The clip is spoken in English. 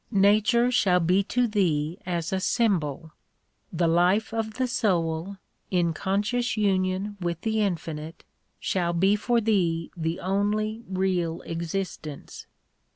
Nature shall be to thee as a symbol. The life of the soul, in conscious union with the Infinite, shall be for thee the only real existence.